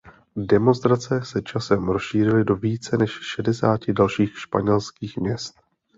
Demonstrace se časem rozšířily do více než šedesáti dalších španělských měst.